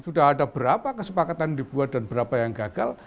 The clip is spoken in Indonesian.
sudah ada berapa kesepakatan dibuat dan berapa yang gagal